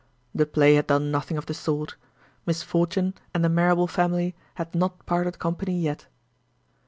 The play had done nothing of the sort. Misfortune and the Marrable family had not parted company yet.